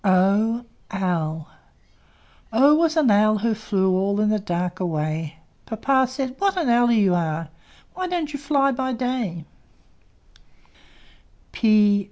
O O was an Owl who flew All in the dark away, Papa said, "What an owl you are! Why don't you fly by day?"